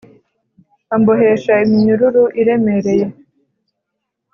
ambohesha iminyururu iremereye.